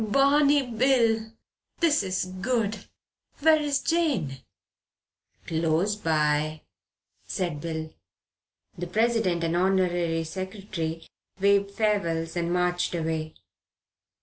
"Barney Bill! This is good. Where is Jane?" "Close by," said Bill. The President and Honorary Secretary waved farewells and marched away.